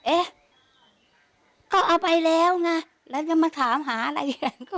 เอ๊ะก็เอาไปแล้วไงแล้วจะมาถามหาอะไรกัน